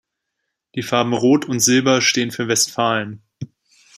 Die Farben Rot und Silber stehen für Westfalen.